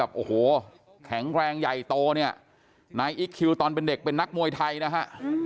โอ้โหแข็งแรงใหญ่โตเนี่ยนายอิ๊กคิวตอนเป็นเด็กเป็นนักมวยไทยนะฮะ